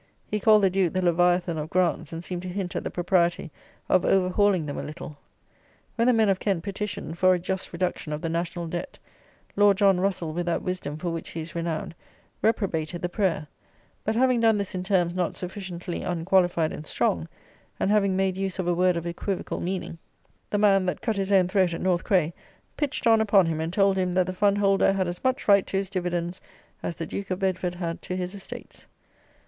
He called the Duke the Leviathan of grants; and seemed to hint at the propriety of over hauling them a little. When the men of Kent petitioned for a "just reduction of the National Debt," Lord John Russell, with that wisdom for which he is renowned, reprobated the prayer; but, having done this in terms not sufficiently unqualified and strong, and having made use of a word of equivocal meaning, the man, that cut his own throat at North Cray, pitched on upon him and told him, that the fundholder had as much right to his dividends, as the Duke of Bedford had to his estates.